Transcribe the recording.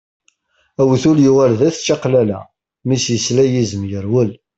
Awtul yuɣal d at čaqlala, mi s-yesla yizem yerwel.